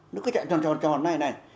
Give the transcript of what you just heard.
nó cứ chạy tròn tròn tròn này này